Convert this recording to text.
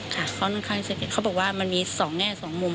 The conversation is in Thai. เขาบอกว่ามันมี๒แง่๒มุม